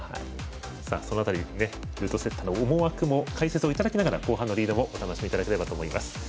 その辺りルートセッターの思惑も解説をいただきながら後半のリードもお楽しみいただければと思います。